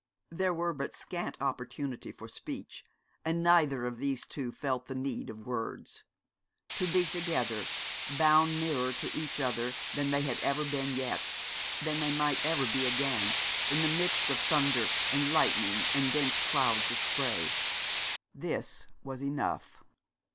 There were but scant opportunity for speech, and neither of these two felt the need of words. To be together, bound nearer to each other than they had ever been yet, than they might ever be again, in the midst of thunder and lightning and dense clouds of spray. This was enough.